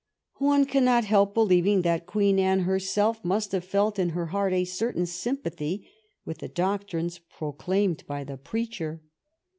One cannot help believing that Queen Anne herself must have felt in her heart a certain sympathy with the doctrines proclaimed by the preacher.